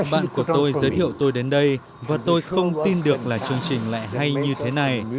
bạn của tôi giới thiệu tôi đến đây và tôi không tin được là chương trình lại hay như thế này